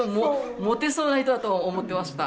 モテそうな人だと思ってました。